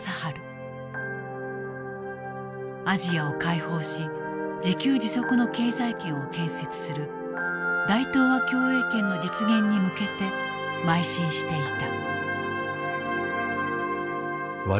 アジアを解放し自給自足の経済圏を建設する大東亜共栄圏の実現に向けてまい進していた。